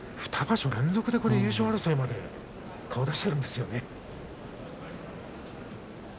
２場所連続、優勝争いに顔を出しているんですよね。